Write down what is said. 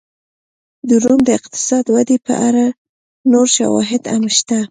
د روم د اقتصادي ودې په اړه نور شواهد هم شته